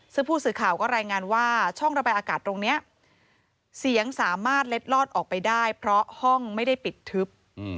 ซึ่งผู้สื่อข่าวก็รายงานว่าช่องระบายอากาศตรงนี้เสียงสามารถเล็ดลอดออกไปได้เพราะห้องไม่ได้ปิดทึบ